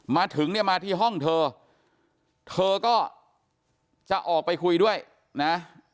มาถึงเนี่ยมาที่ห้องเธอเธอก็จะออกไปคุยด้วยนะ